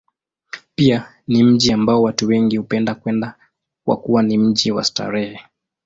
Pia ni mji ambao watu wengi hupenda kwenda, kwa kuwa ni mji wa starehe.